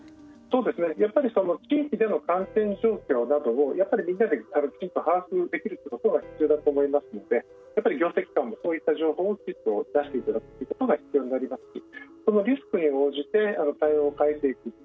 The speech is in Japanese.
やっぱり地域での感染状況などをみんなで、きちんと把握できるということが必要だと思いますので行政機関も、そういった情報をきっちりと出していただくということが必要になりますしリスクに応じて対応を変えていく。